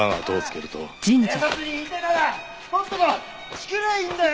警察に言いてえならとっととチクりゃいいんだよ！